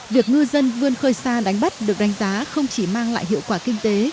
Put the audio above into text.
việc ngư dân vươn khơi xa đánh bắt được đánh giá không chỉ mang lại hiệu quả kinh tế